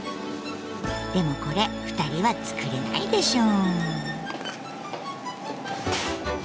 でもこれ二人は作れないでしょう。